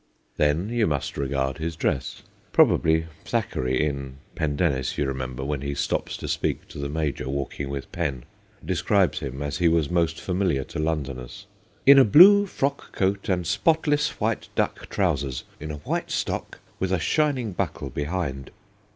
Then you must regard his dress. Pro bably Thackeray in Pendennis, you re member, when he stops to speak to the Major walking with Pen describes him as he was most familiar to Londoners, e in a blue frock coat and spotless white duck trousers, in a white stock, with a shining buckle behind.'